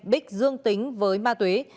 bích dương tính với ma tuế